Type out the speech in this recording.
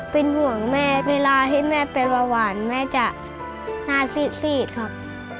เป็นห่วงแม่เวลาให้แม่เป็นเบาหวานแม่จะหน้าซีดครับ